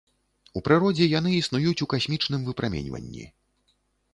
У прыродзе яны існуюць у касмічным выпраменьванні.